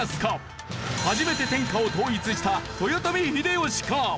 初めて天下を統一した豊臣秀吉か？